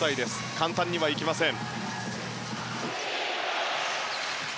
簡単にはいきません。